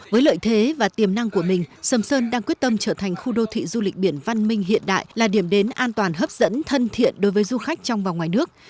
với lợi thế và tiềm năng của mình sầm sơn đang quyết tâm trở thành khu đô thị du lịch biển văn minh hiện đại là điểm đến an toàn hấp dẫn thân thiện đối với du khách trong và ngoài nước